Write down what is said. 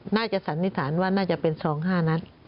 สันนิษฐานว่าน่าจะเป็น๒๕นัด